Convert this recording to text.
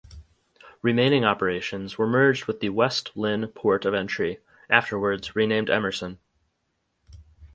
Remaining operations were merged with the West Lynne port of entry (afterwards renamed "Emerson").